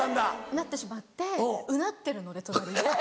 なってしまってうなってるので隣で。